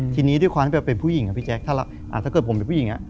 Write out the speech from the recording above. ทีนี้ด้วยความที่แบบเป็นผู้หญิงอะพี่แจ๊คถ้าเกิดผมเป็นผู้หญิง